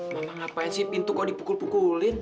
mama ngapain sih pintu kok dipukul pukulin